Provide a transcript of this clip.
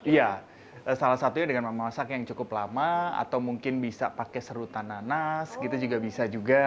iya salah satunya dengan memasak yang cukup lama atau mungkin bisa pakai serutan nanas gitu juga bisa juga